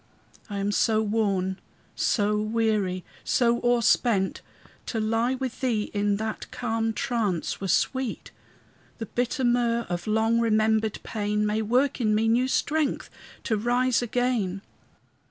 I am so worn, so weary, so o'erspent, To lie with thee in that calm trance were sweet; The bitter myrrh of long remembered pain May work in me new strength to rise again.